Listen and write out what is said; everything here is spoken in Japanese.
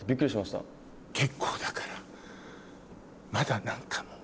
結構だからまだ何かもう。